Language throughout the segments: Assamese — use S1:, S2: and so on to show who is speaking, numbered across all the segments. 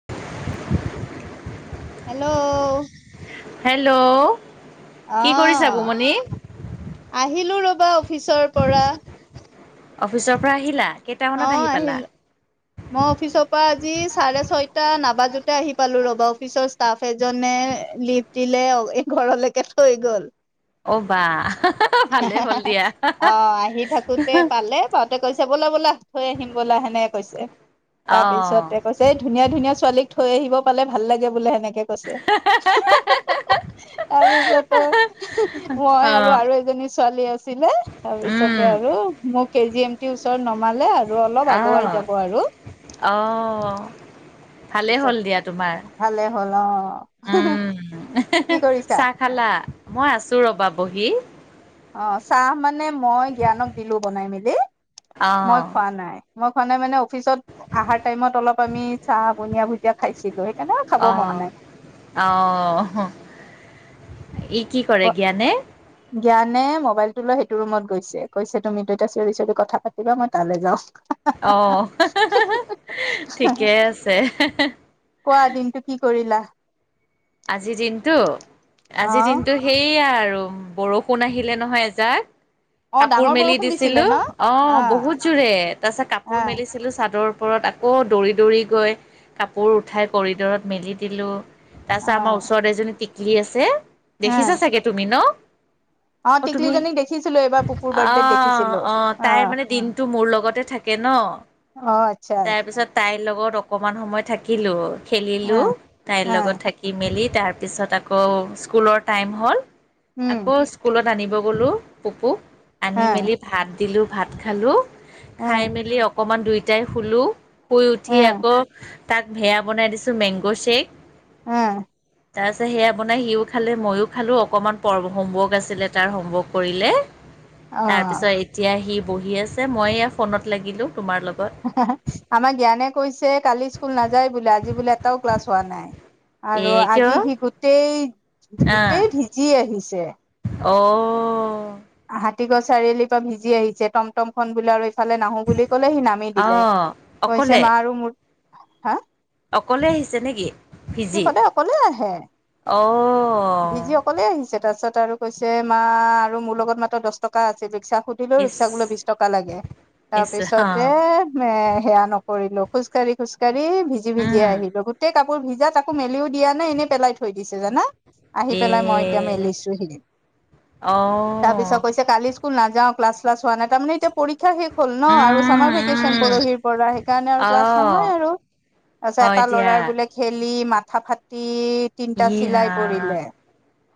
S1: [unintelligible]
S2: হেল্ল'
S1: হেল্ল' কি কৰিছা
S2: আহ
S1: বুমণি
S2: আহিলো ৰবা অফিচৰ পৰা
S1: অফিচৰ পৰা আহিলা
S2: অ
S1: কেইটামানত আহি পালা
S2: আহিলো মই অফিচৰ পৰা আজি চাৰে ছয়টা নাবাজতে আহি পালো ৰবা অফিচৰ ষ্টাফ এজনে লিভ দিলে এই ঘৰলৈকে থৈ গ'ল
S1: অবা
S2: আহ আহি থাকোতে পালে পাওঁতে কৈছো বোলা বোলা থৈ আহিম ব'লা হেনে কৈছে তাৰ
S1: অ
S2: পিছতে কৈছে এই ধুনীয়া ধুনীয়া ছোৱালীক থৈ আহিব পালে ভাল লাগে বোলে হেনেকে
S1: [unintelligible]
S2: তাৰপিছতে
S1: অ
S2: মই আৰু আৰু এজনী ছোৱালী আছিলে তাৰ
S1: উম
S2: পিছতে আৰু মোৰ কে জি এম ট ওচ ন সোমালে আৰু অলপ
S1: অ
S2: আগুৱাই যাব আৰু
S1: অ ভালেই
S2: তাৰপিছত
S1: হ'ল দিয়া তোমাৰ
S2: ভালে হ'ল অ
S1: উম
S2: কি কৰিছা
S1: চাহ খালা মই আছো ৰবা বহি
S2: অ চাহ মানে মই জ্ঞানক দিলো বনাই মেলি
S1: অ
S2: মই খোৱা নাই মই খনে মানে অফিচত অহাৰ টাইমত অলপ আমি চাহ বনিয় ভুজিয়া খাইছিলো সেইকাৰণে খাব মন নাই
S1: আহ ই কি কৰে জ্ঞানে
S2: জ্ঞানে মোবাইলটো লৈ সেইটো ৰুমত গৈছে কৈছে তুমি দুইতা চিঞৰি চিৰি কথা পাতিবা মই তালৈ যাওঁ
S1: আহ ঠিকেই আছে
S2: কোৱা দিনটো কি কৰিলা
S1: আজিৰ দিনতটো আজিৰ
S2: অ
S1: দিনটো সেইয়া আৰু আৰু বৰষুণ আহিলে নহয় এজাক
S2: অ
S1: কাপোৰ
S2: ডাঙৰ
S1: মেলি
S2: বৰষুণ দিছিলে
S1: দিছিলো
S2: ন
S1: অ বহুত জোৰে তাৰপিছত
S2: অ
S1: কাপোৰ মেলিছিলো চাদৰ ওপৰত আকৌ দৌৰি দৌৰি গৈ কাপোৰ উঠাই কৰিডৰত মেলি দিলোঁ
S2: অ
S1: তাৰপিছত আমাৰ ওচৰত এজনী টিকলি আছে
S2: অ
S1: দেখিছা চাগে তুমি ন অ তুমি
S2: টিকলিজনীক দেখিছিলো এইবাৰ পুপুৰ বাৰ্থডেত
S1: আহ
S2: দেখিছিলো
S1: অ তাইৰ মানে দিনটো মোৰ লগতে থাকে কন
S2: অ আচ্ছা।
S1: লগত অকমান সময় থাকিলো, খেলিলো
S2: অ
S1: তাইৰ
S2: অ
S1: লগত থাকি। খেলি তাৰপাছত আকৌ স্কুলৰ টাইম হ'ল
S2: উম
S1: আকৌ স্কুলত। আনিব গলো পকু
S2: অ
S1: আনি মেলি ভাত দিলোঁ ভাত খালোঁ।
S2: অ
S1: খাই মেলি অকমান দুইটাই শুলোঁ শুই
S2: অ
S1: উঠি আকৌ। তাক ভেয়া বনাই দিছোঁ মেংগ' শ্বেক।
S2: উম।
S1: তাৰপিছত সেয়া বনাই সিও খালে মইও খালো অকনমান পৰা হমৱৰ্ক আছিলে তাৰ হমৱৰ্ক কৰিলে।
S2: অ
S1: তাৰ পিছত এতিয়া সি বহি আছে মই এইয়া ফোনত লাগিলো।
S2: আমাৰ জ্ঞানে কৈছে কালি স্কুল নাযায় বোলে আজি বোলে এটাও ক্লাছ হোৱা নাই।
S1: এ
S2: আৰু
S1: কিয়
S2: আজি সি গোটেই
S1: আহ
S2: গোটেই ভিজি আহিছে।
S1: অ'।
S2: হাতীগছ চাৰিআলিৰ পৰা ভিজি আহিছে টমটম খন বোলা আৰু। ফালে নাহো বুলি কলে সি নামি দিলে
S1: অ'
S2: কৈছে
S1: অকলে
S2: মা আৰু মোৰ হা।
S1: অকলে আহিছে নেকি
S2: [inaudible] সি
S1: ভিজি
S2: সদায় অকলে আহে।
S1: অ'
S2: ভিজি অকলে আহিছে তাৰপিছত। আৰু কৈছে মা আৰু মোৰ লগত মাত্ৰ দহ টকা আছে ৰিক্সা। সুধিলেও ৰিক্সা বোলে
S1: ইচ
S2: বিশ টকা লাগে তাৰপিছতে এ। সেয়া নকৰিলো। খোজকাঢ়ি খোজকাঢ়ি ভিজি ভিজি আহিলো গোটেই। কাপোৰ ভিজা তাকো মেলিও দিয়া এনে এনেই পেলাই থৈ দিছে জানা।। আহি পেলাই মই এতিয়া মেলিছো সিদিন। তাৰ পিছত কৈছে কালি স্কুল নাযাওঁ ক্লাছ। চ্লাছ হোৱা নাই তাৰে এতিয়া পৰীক্ষা শেষ হ'ল নহ আৰু চামাৰ ভেকেচন পৰহিৰ পৰা সেইকাৰণে আৰু ক্লাছ নহয় আৰু। তাৰ পিছত
S1: হয়
S2: এটা
S1: দিয়া।
S2: ল'ৰাৰ বোলে খেলি মাথা ফাটি তিনিটা
S1: ইয়ে
S2: চিলাই
S1: ৰাম।
S2: পৰিলে।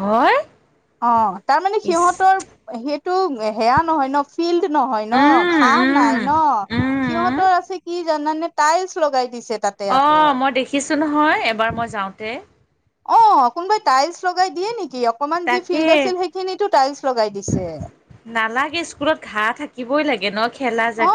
S1: হয়?
S2: অ তাৰমানে
S1: ইচ।
S2: সিহঁতৰ। সেইটো হেয়া নহয় নহ ফিল্ড নহয় নহ
S1: উম,
S2: ঘাঁহ নাই
S1: উম।
S2: নহ।
S1: উম।
S2: সিহঁতৰ আছে কি জানানে টাইলছ লগাই দিছে। তাতে
S1: অ
S2: আকৌ
S1: মই দেখিছোঁ নহয় এবাৰ মই যাওঁতে।
S2: অ কোনোবাই টাইলছ লগাই দিয়ে নেকি। কি অকমান যি
S1: তাকে
S2: ফিল্ড আছিল সেইখিনিটো টাইলছ লগাই দিছে।
S1: নালাগে স্কুলত ঘাঁহ থাকিবই লাগে নহ।
S2: অ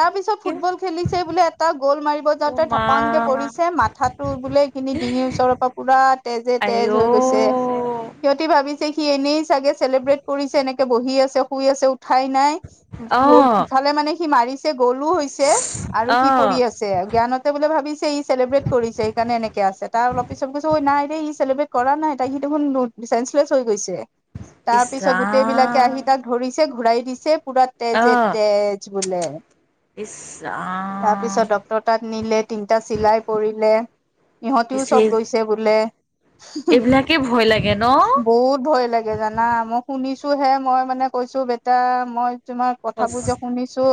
S2: তাৰপিছত ফুটবল খেলিছে বোলে এটা। গ'ল মাৰিব
S1: অ'
S2: যাওঁতে
S1: মা
S2: ঢাপাং কে পৰিছে মাথাটো বোলে সিখিনি ডিঙিৰ ওচৰৰ পৰা পুৰা তেজে, তেজ।
S1: আইঔ।
S2: হৈ গৈছে সিহঁতি ভাবিছে। সি এনেই চাগে চেলিব্ৰেট কৰিছে এনেকে বহি আছে শুই আছে উঠাই নাই।
S1: অ',
S2: ইফালে মানে সি মাৰিছে গ'লো হৈছে আৰু সি
S1: অ'
S2: পৰি আছে জ্ঞানহঁতে বোলে ভাবিছে। ই চেলিব্ৰেট কৰিছে সেইকাৰণ এনেকে আছে তাৰ অলপ পিছত কৈছোঁ ঐ নাই দেই ই চেলিব্ৰেট। কৰা নাই তাই সিটো সময়ত দেচেন্সলেচহৈ গৈছে তাৰ
S1: ইচ
S2: পিছত গোটেই বিলাকে
S1: ৰাম।
S2: আহি তাক ধৰিছে। ঘূৰাই দিছে পুৰা তেজে
S1: অ'।
S2: তেজ বোলে।
S1: ইছ।
S2: তাৰ
S1: ৰাম
S2: পিছত ডক্তৰক তাত নিলে তিনিটা চিলাই পৰিলে। ইহঁতিও
S1: পিছে
S2: চব গৈছে বোলে।
S1: এইবিলাকে ভয় লাগে ন
S2: বহুত ভয় লাগে জানা মই শুনিছোঁ হে মই মানে কৈছো বেটা মই। তোমাৰ কথাবোৰ যে
S1: সঁচ-
S2: শুনিছোঁ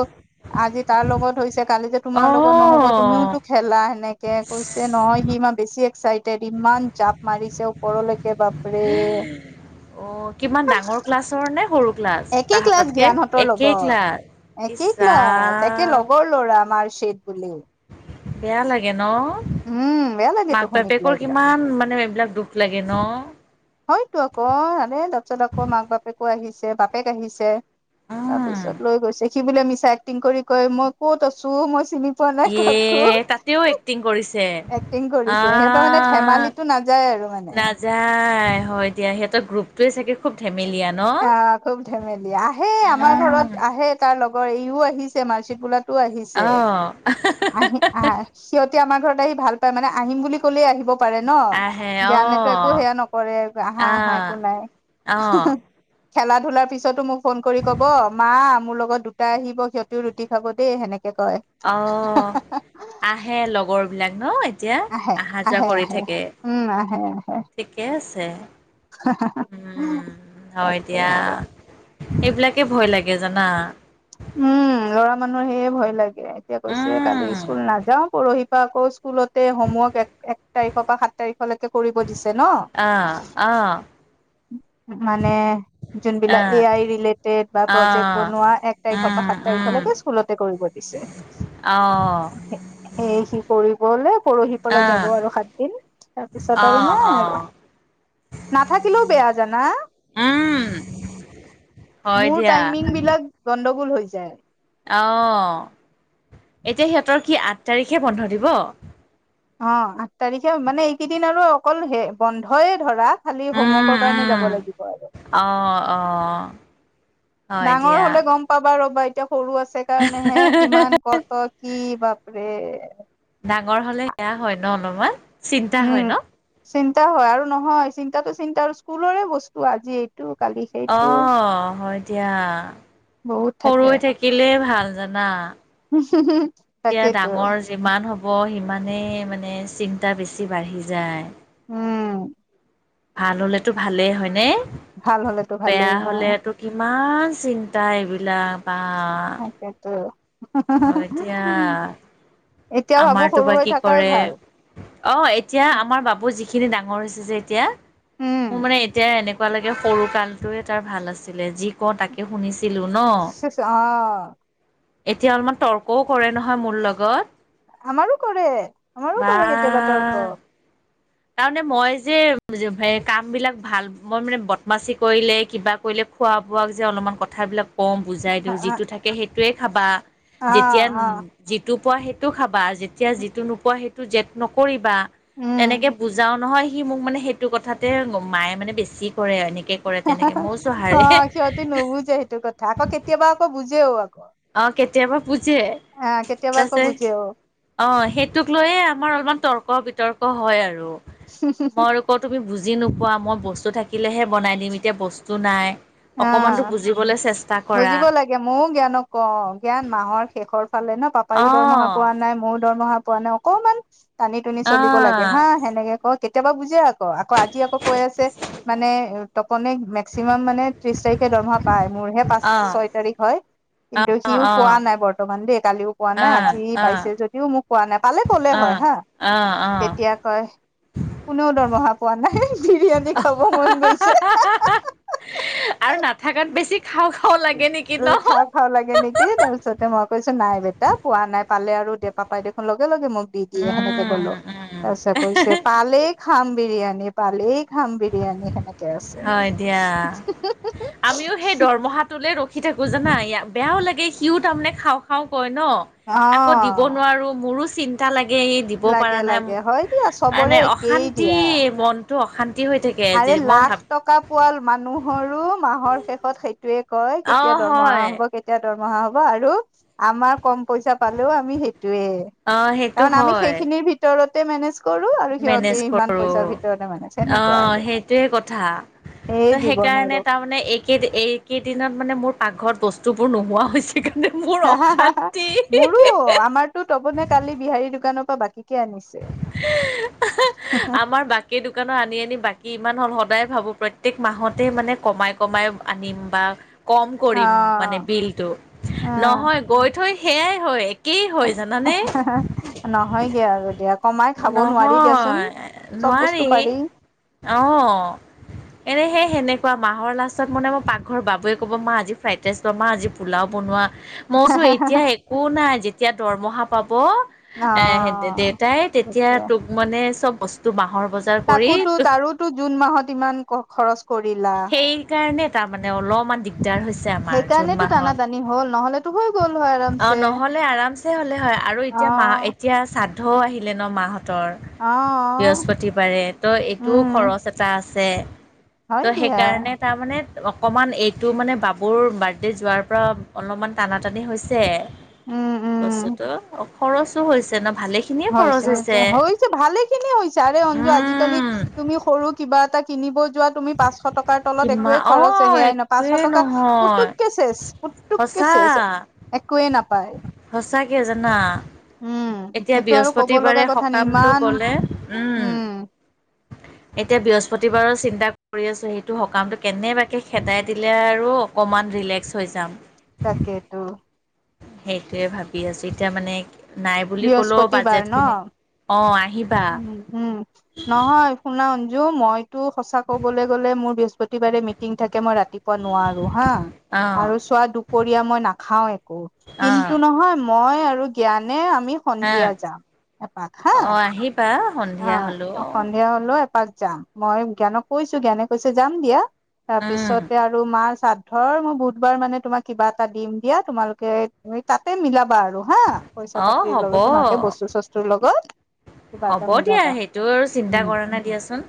S2: আজি তাৰ লগত হৈছে। কালি যে
S1: অ
S2: তোমাৰ লগত নহ'ব তুমিওতো খেলা সেনেকে কৈছে নহয় সি মা বেছি। চাইডেড ইমান জাপ মাৰিছে ওপৰলৈকে। একে বাপৰে।
S1: অ কিমান ডাঙৰ ক্লাছৰ
S2: [unintelligible]
S1: নে সৰু ক্লাছ
S2: একে ক্লাছ
S1: তাহাঁততকে
S2: জ্ঞানহঁতৰ
S1: একেই ক্লাছ
S2: লগৰ
S1: ইছ
S2: একে ক্লাছ একে
S1: ৰাম
S2: লগৰ ল'ৰা মাৰ।
S1: বেয়া লাগে নহ।
S2: উম বেয়া লাগেতো
S1: মাক
S2: শুনি পেলাই
S1: বাপেকৰ
S2: এইবিলাক
S1: কিমান মানে এইবিলাক দুখ লাগে নহ।
S2: হয়তো আকৌ মানে তাৰপিছত আকৌ মাক বাপেকো আহিছে বাপেক আহিছে। তাৰ
S1: উম
S2: পিছত লৈ গৈছে সি বোলে মিছা এক্টিং কৰি কয় মই ক'ত আছো মই চিনি পোৱা নাই কাকো
S1: এ তাতেও এক্টিং কৰিছে
S2: এক্টিং কৰিছে সিহঁতৰ মানে
S1: আহ।
S2: ধেমালিটো নাযায় আৰু মানে
S1: নাযায় হয় দিয়া সিহতৰ গ্ৰুপটয়ে চাগে খুব ধেম
S2: আহ খুব ধেমেলিয়া আহে আমাৰ
S1: উম
S2: ঘৰত আহে তাৰ লগৰ এইও আহিছে মাৰ্চিপুলাত
S1: অ
S2: আহি আহ সিহঁতে আমাৰ ঘৰত আহি ভাল পায় মানে আহিম বুলি কলে আহিব পাৰে ন
S1: আহে
S2: জ্ঞানেতো একো
S1: অ',
S2: সেয়া নকৰে আহা - আহা একো নাই।
S1: অঁহ
S2: খেলা ধূলাৰ পিছতো মোক ফোন কৰি কব মা মোৰ লগত দুটা আহিব সিহতেও ৰুটি খাব দেই সেনেকে। কয়
S1: অ, আহে লগৰ বিলাক ন। এতিয়া
S2: আহে
S1: অহা যোৱা
S2: আহে
S1: কৰি
S2: আহে
S1: থাকে
S2: উম আহে আহে
S1: ঠিকে আছে উম, হয়
S2: তাকে
S1: দিয়া।
S2: আৰু
S1: এইবিলাকে ভয় লাগে জানা।
S2: উম, ল'ৰা মানুহ সেয়ে ভয় লাগে এতিয়া কৈছে কালি
S1: উম,
S2: স্কুল নাযাও পৰহি আকৌ স্কুলতে হোমৱৰ্ক এক তাৰিখৰ পৰা সাত তাৰিখলৈকে কৰিব। দিছে ন
S1: আ আ
S2: মানে যোনবিলাক এ
S1: অ',
S2: আই ৰিলেটেড বা
S1: অ',
S2: প্ৰজেক্ট বনোৱা। সেই সোপা
S1: উম,
S2: সাত তাৰিখৰ
S1: উম,
S2: লৈকে স্কুললতে কৰিব দিছে
S1: অ',
S2: সেই সি কৰি পৰহি পৰা যাব
S1: অ',
S2: আৰু সাত দিন তাৰপিছত আৰু
S1: অ',
S2: নাই আৰু
S1: অ',
S2: নাথাকিলেও বেয়া জানা।
S1: উম, হয়
S2: মোৰ
S1: দিয়া,
S2: টাইমিং বিলাক গণ্ডগোল হৈছে।
S1: অ, এতিয়া সিহতৰ কি আঠ তাৰিখে বন্ধ দিব।
S2: অ, আঠ তাৰিখে মানে এইকেইদিন আৰু অকল হে বন্ধয়ে ধৰা। খালি
S1: উম,
S2: হোমৱৰ্কৰ কাৰণে যাব
S1: উম।
S2: লাগিব
S1: অ', অ', হয়
S2: ডাঙৰ
S1: দিয়া।
S2: হলে গম পাবা ৰ'বা এতিয়া সৰু আছে কাৰণে হে কিমান ক'ত কি বাব [unintelligible]
S1: ডাঙৰ হলে সেয়া হয় ন অলপমান চিন্তা হয়
S2: উম
S1: ন।
S2: চিন্তা হয় আৰু নহয় চিন্তাটো চিন্তা আৰু স্কুলৰে বস্তু আজি। কালি
S1: অ
S2: সেইটো
S1: হয় দিয়া
S2: বহুত
S1: সৰু
S2: থাকে
S1: হৈ থাকিলে ভাল জানা এতিয়া
S2: তাকেইতো
S1: ডাঙৰ যিমান হ'ব। বৰ সিমানেই মানে চিন্তা বেছি বাঢ়ি যায়।
S2: উম
S1: ভাল হলেতো ভালেই হয় নে
S2: ভাল হলেতো
S1: বেয়া
S2: ভালেই অ
S1: হলেতটো কিমান চিন্তা এইবিলাক
S2: তাকেতো
S1: অ, এতিয়া
S2: এতিয়া ভাবো
S1: আমাৰতো
S2: সৰু
S1: বা
S2: হৈ
S1: কি
S2: থাকাই
S1: কৰে
S2: ভাল
S1: অ, এতিয়া আমাৰ বাবু যি খিনি ডাঙৰ হৈছে যে এতিয়া মোৰ
S2: উম
S1: মানে এতিয়া এনেকুৱা এনেকোৱা লাগে সৰু কালটোৱে তাৰ ভাল আছিলে যি কও তাকে শুনিছিল।
S2: অহ ',
S1: এতিয়া অলপমান তৰ্কও কৰে নহয় মোৰ লগত
S2: আমাৰো কৰে আমাৰো
S1: বা
S2: কৰে কেতিয়াবা তৰ্ক
S1: তাৰমানে মই যে কাম বিলাক ভাল মই মানে বদমাচি কৰিলে কিবা কৰিলে। খোৱা বোৱা যে অলপমান কথাবিলাক কও বুজাই দিও
S2: অ
S1: যিটো থাকে সেইটোৱে খাবা
S2: অ
S1: যেতিয়া যিটো পোৱা সেইটো খাবা যেতিয়া যিটো নোপোৱা সেইটো জেদ নকৰিবা
S2: উম
S1: তেনেকে বুজাও নহয় সি মোক মানে সেইটো কথাতে মায়ে মানে বেছি কৰে এনেকে কৰে তেনেকে মৌ
S2: অ
S1: চোহাৰে
S2: সিহঁতে নুবুজে সেইটো কথা আকৌ কেতিয়াবা আকৌ বুজেও আকৌ
S1: অ কেতিয়াবা বুজে
S2: আহ কেতিয়াবা আকৌ
S1: তাছে
S2: বুজেও
S1: অ, সেইটোক লৈয়ে আমাৰ অলপমান তৰ্ক তক বিতৰ্ক হয় আৰু মইকৌ তুমি বুজ যি নোপোৱা মই বস্তু থাকিলেহে বনাই দিম এতিয়া বস্তু নাই। অকমানতো
S2: আহ,
S1: বুজিবলৈ চেষ্টা কৰা
S2: বুজিব লাগে ময়ও জ্ঞানক ক' জ্ঞান মাহৰ শেষৰ ফালে ন' পাপায়ো
S1: অ
S2: দৰমহা পোৱা নাই ময়ো দৰমহা পোৱা নাই অকমান টানি টুনি
S1: অ
S2: চলিব লাগে হা সেনেকে কত কেতিয়াবা বুজে আকৌ-আকৌ আজি আকৌ কৈ আছে মানে তপনে মেক্সিমাম মানে ত্ৰিছ তাৰিখে দৰমহা পায় মোৰহে পাঁচ,
S1: অ
S2: ছয় তাৰিখ হয়
S1: অ অ
S2: কিন্তু সিও
S1: অ
S2: পোৱা নাই বৰ্তমান দে। কালিও কোৱা
S1: অ
S2: নাই আজি পাইছে যদিও মোক কোৱা নাই পালে ক'লে
S1: অ অ
S2: হয় হা।
S1: অ অ
S2: তেতিয়া কয় কোনেও দৰমহা পোৱা নাই বিৰিয়ানী খাব মন গৈছে [unintelligible]
S1: আৰু নাথাকাত বেছি খাওঁ-খাওঁ লাগ
S2: [unintelligible] খাওঁ-খাওঁ লাগে নেকি তাৰ পিছতে মই কৈছো নাই বেটা পোৱা নাই পালে আৰু দিয়া পাপাই দেখোন লগে লগে মোক দি দিয়ে সেনেকে
S1: উম
S2: ক'লো
S1: উম
S2: তাৰপিছত কৈছে পালেই খাম বিৰিয়ানী পালেই খাম বিৰিয়ানী সেনেকে আছে।
S1: হয় দিয়া তোলে ৰখি থাকো জানা ইয়া বেয়াও লাগে সিও তাৰমানে খাওঁ-খাওঁ কয় ন,
S2: অ
S1: আকৌ দিব নোৱাৰো মোৰো চিন্তা লাগ দিব পৰা
S2: লাগে
S1: নাই
S2: লাগে
S1: ম
S2: হয় দিয়া চবৰে
S1: মানে
S2: একেই
S1: অশান্তি
S2: দিয়া
S1: মন
S2: আৰে লাখ টকা পোৱাল মানুহৰো মাহৰ শেষত খেতি টোয়ে কয়
S1: অ
S2: কেতিয়া দৰমহা
S1: হয়
S2: হ'ব-কেতিয়া দৰমহা হ'ব আৰু আমাক কম পইছা পালেও আমি হিটোৱে
S1: অ সেইটো
S2: কাৰন আমি
S1: হয়
S2: সেইখিনিৰ ভিতৰতে মেনেজ কৰো আৰু
S1: মেনেজ
S2: সিহঁতেই ইমান
S1: কৰো
S2: পইচাৰ ভিতৰতে মানে
S1: অ,
S2: চেনেক
S1: সেইটোৱে কথা।
S2: জীৱন আৰু
S1: ত'সেইকাৰণে তাৰ মানে এইকেইদি- এইকেইদিনত মানে মোৰ পাকঘৰত বস্তু বোৰ নোহোৱা হৈছে। কাৰণে মোৰ
S2: হা-হা-হা-হা
S1: অশান্তি
S2: মোৰো আমাৰতো তপনে কালি বিহাৰী দোকানৰ পা বাকী
S1: [unintelligible] আমাৰ বাকী দোকানৰ আনি -আনি বাকী ইমান হ'ল হত সদায় ভাবো প্ৰত্যেক মাহতে মানে কমাই কমাই আনিম বা কম
S2: অ
S1: কৰিম মানে বিলটো
S2: অ
S1: নহয় গৈ থৈ সেয়াই হয়। একেই হয় জানানে
S2: [unintelligible] নহয়গে আৰু দিয়া। কমাই খাব নোৱাৰি দিয়াচোন
S1: নহয়,
S2: চব বস্তু
S1: নোৱাৰি,
S2: পাৰি
S1: অ, এনেহে এ সেনেকুৱা মাহৰ লাষ্টত মানে মই পাকঘৰ বাবুয়ে ক'ব মা আজি ফ্ৰাইড ৰাইচ ব'না মা আজি পোলাও বনোৱা। মই ছো এতিয়া একো নাই যেতিয়া দৰমহা পাব,
S2: অ
S1: এ হে দে তেতিয়া
S2: তাকে,
S1: তোক মানে চব বস্তু বাঁহৰ
S2: তাকোতো তাৰোতো জুন মাহত ইমান খৰচ। কৰিলা,
S1: সেইকাৰণে তাৰমানে অলপমান দিগদাৰ হৈছে আমাৰ জুন
S2: সেইকাৰণেটো
S1: মাহত
S2: টানা টানি হ'ল নহ'লে
S1: অ', নহ'লে আৰামছে হ'লে হয় আৰু এতিয়া মা
S2: অ
S1: এতিয়া চাদ সাদ্ধআহিলে ন' মাহঁতৰ,
S2: অ',
S1: বৃহস্পতিবাৰে, ত' এইটোও
S2: উম,
S1: খৰচ এটা আছ ছে
S2: হয়
S1: ত'
S2: দিয়া।
S1: সেইকাৰণে তাৰমানে অকণমান এইটো মানে বাবুৰ বাৰ্থডে' যোৱাৰ পৰা, অলপমান টানা টানি হৈছে।
S2: উম, উম,
S1: বস্তুটো, অ, খৰচো হৈছে না
S2: হৈছে তোমাৰ হৈছে ভালে খিনি হৈছে আৰে অঞ্জু আজিকালি
S1: উম
S2: তুমি সৰু কিবা এটা কিনিব যোৱা তুমি পাঁচশ টকাৰ তলত
S1: কিমান
S2: একোৱে
S1: অ
S2: খৰচ হেয়াই [unintelligible] পাঁচশ
S1: একোৱেই
S2: টকা পুতুকে শেষ, পুুতুক।
S1: ছাহ
S2: একোৱে নাপায়।
S1: সঁচাকে জানা।
S2: উম,
S1: এতিয়া
S2: সেইটো আৰু ক'ব
S1: বৃহস্পতিবাৰে
S2: লগা কথা নাই
S1: সকামটো
S2: ইমান
S1: গ'লে, উম, এতিয়া বৃহস্পতিবাৰৰ চিন্তা কৰি আছোঁ সেইটো সকামটো কেনেবাকৈ খেদাই দিলে আৰু অকণমান ৰিলেক্স হৈ যাম।
S2: তাকেটো।
S1: সেইটোয়ে ভাবি আছো এতিয়া মানে নাই বুলি কলো
S2: বৃহস্পতিবাৰ
S1: বাজেট খিনি
S2: ন?
S1: অ আহি
S2: উম হম নহয় শুনা অনজু মই টো সচা ক'বলৈ গ'লে মোৰ বৃহস্পতিবাৰে মিটিং থাকে মই ৰাতিপুৱা নোৱাৰো হা
S1: অঁ
S2: আৰু চোৱা দুপৰীয়া মই নাখাও একো
S1: অঁ
S2: কিন্তু নহয় মই আৰু জ্ঞানে আমি
S1: হা
S2: সন্ধিয়া যাম এপাক হা
S1: অঁ আহিবা
S2: অ
S1: সন্ধিয়া
S2: অ
S1: হ'লেও
S2: সন্ধিয়া হলেও এপাক যাম মই জ্ঞানক কৈছো জ্ঞানে কৈছে যাম দিয়া
S1: উম
S2: তাৰপিছতে আৰু মাৰাদ ধৰ মই বুধবাৰ মানে তোমাক কিবা এটা দিম দিয়া তোমালোকে তাতে মিলাবা আৰু হা। পইচা
S1: অঁ
S2: পাতিৰ
S1: হ'ব
S2: লগত তোমাকে বস্তু চস্তুৰ লগত কিবা
S1: হ'ব
S2: এটা
S1: দিয়া
S2: মিলাবা
S1: সেইটো আৰু চিন্তা
S2: উম
S1: কৰা নাই দিয়াচোন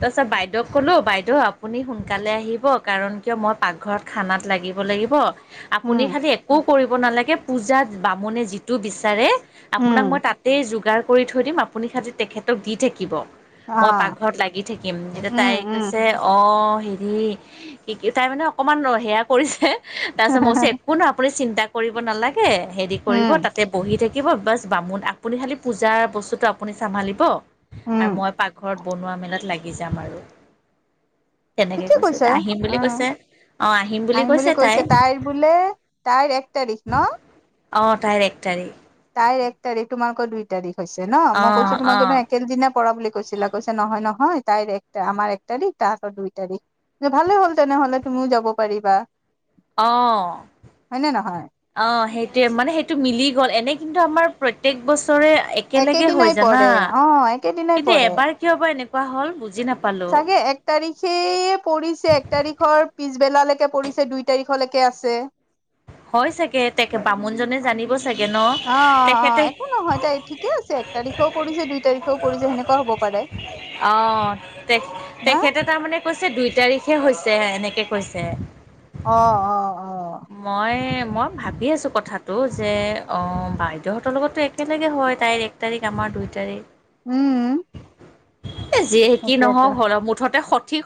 S1: তাৰপিছত বাইদেউক কলো বাইদেউ আপুনি সোনকালে আহিব কাৰণ কিয় মই পাকঘৰত খানাত লাগিব লাগিব।
S2: উম
S1: আপুনি খালি একো কৰিব নালাগে পূজাত বামুণে যিটো বিচাৰে
S2: উম
S1: আপোনাক মই তাতেই যোগাৰ কৰি থৈ দিম আপুনি খালি তেখেতক দি থাকিব। মই
S2: আহ
S1: পাকঘৰত লাগি থাকিম এতিয়া
S2: উম
S1: তাই
S2: উম
S1: কৈছে অ। হেৰি কি কি তাই মানে অকণমান সেয়া কৰিছে তাৰপিছত মই একো নাই আপুনি চিন্তা কৰিব নালাগে হেৰি কৰিব
S2: উম
S1: তাতে বহি থাকিব বাছ বামুণ আপুনি খালি পূজাৰ বস্তু আপুনি চাম্ভলিভ
S2: উম
S1: আৰু মই পাকঘৰত বনোৱা মেলাত লাগি দি যাম আৰু। তেনেকে
S2: ঠিকে
S1: কৈছো
S2: কৈছ
S1: আহিম বুলি
S2: উ
S1: কৈছে
S2: আহিম বুলি কৈছে তাইৰ বোলে তাইৰ এক তাৰিখ ন।
S1: অ তাইৰ এক তাৰিখ।
S2: তাইৰ এক তাৰিখ তোমাৰক দুই তাৰিখ হৈছে ন
S1: অ
S2: মই কৈছো
S1: অ
S2: তোমাকো একেল দিনা পৰা বুলি কৈছিলা কৈছে নহয় নহয়। হয় তাইৰ একটা আমাৰ এক তাৰিখ তাহাতৰ দুই তাৰিখ। ভালে হ'ল তেনেহ'লে তুমিও যাব পাৰিবা।
S1: অ
S2: হয় নে নহয়
S1: অ সেইটোৱয়ে মানে সেইটো মিলি গ'ল এনেকে কিন্তু আমাৰ প্ৰত্যেক বছৰ। একেলগে হৈ
S2: একেদিনাই
S1: জানা
S2: পৰে অ একেদিনাই
S1: কিন্তু
S2: পৰে
S1: এবাৰ কিয় বা এনেকুৱা হল বুজ
S2: চাগে এক তাৰিখে পিছে এক তাৰিখৰ পি পিছবেলালৈকে পৰিছে দুই তাৰিখলৈকে আছে।
S1: হয় চাগে তে বামুণজনে জানিব। চাগে ন
S2: অ অ
S1: তেখেতে
S2: একো নহয় তাই ঠিকে আছে এক তাৰিখেও পৰিছে দুই তাৰিখেও পৰিছে সেনেকুৱা হ'ব পা পাৰে।
S1: অ তেখ
S2: না
S1: তেখেত তাৰমানানে কৈছে দুই তাৰিখ হৈছে এনেকে কৈছে।
S2: অ অ অ।
S1: মই মই ভাবি আছো কথাটো যে অ বাইদেউহতৰ লগততো একেলগে হয়। তাইৰ এক তাৰিখ আমাৰ দুই তাৰিখ।
S2: উম।
S1: যিহে কি
S2: সেইটোৱেটো
S1: নহওক হল মুঠতে